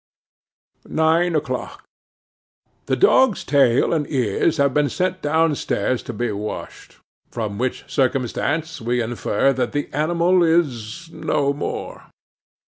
'Nine o'clock. 'THE dog's tail and ears have been sent down stairs to be washed; from which circumstance we infer that the animal is no more.